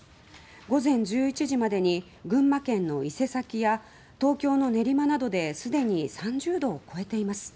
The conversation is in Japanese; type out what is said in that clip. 午前１１時までに群馬県の伊勢崎や東京の練馬などですでに３０度を超えています。